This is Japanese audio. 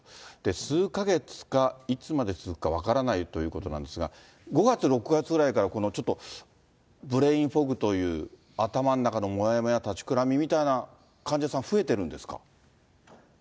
数か月か、いつまで続くか分からないということですが、５月、６月くらいからこのちょっと、ブレーンフォグという頭の中のもやもや、立ちくらみみたいな患者さん、増えてるんですか。